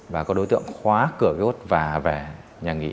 và các đối tượng khóa cửa ký ốt và về nhà nghị